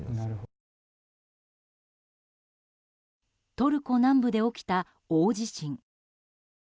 トルコ南部で起きた大地震。